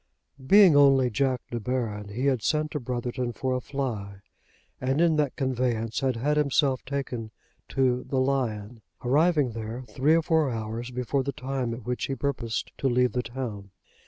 Being only Jack De Baron he had sent to Brotherton for a fly, and in that conveyance had had himself taken to the "Lion," arriving there three or four hours before the time at which he purposed to leave the town.